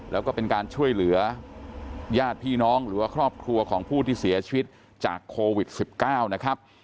แล้วก็เป็นการช่วยเหลือญาติพี่น้องหรือว่าครอบครัวของผู้ที่เสียชีวิตจากโควิด๑๙นะครับ